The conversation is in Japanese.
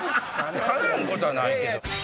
かなんことはないけど。